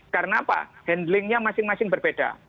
karena apa handlingnya masing masing berbeda